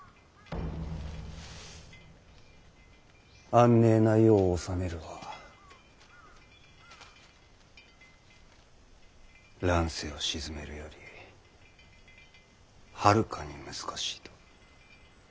安寧な世を治めるは乱世を鎮めるよりはるかに難しいと。